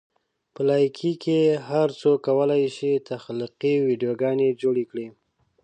په لایکي کې هر څوک کولی شي تخلیقي ویډیوګانې جوړې کړي.